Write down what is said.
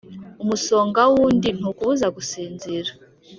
Umusonga wundi ntukubuza gusinzira.